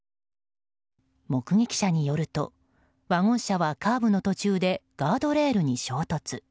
目撃者によるとワゴン車は、カーブの途中でガードレールに衝突。